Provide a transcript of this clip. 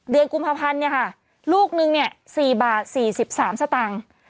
เดือนกุมภัณฑ์ลูกนึง๔บาท๔๓สตังค์